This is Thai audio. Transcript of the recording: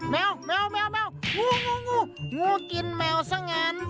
แมวงูงูกินแมวซะงาน